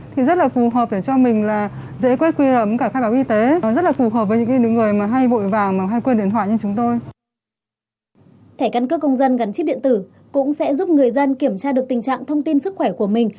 thẻ căn cước công dân gắn chip điện tử cũng sẽ giúp người dân kiểm tra được tình trạng thông tin sức khỏe của mình